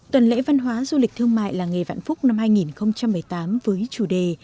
tuần lễ văn hóa du lịch thương mại làng nghề vạn phúc năm hai nghìn một mươi tám với chủ đề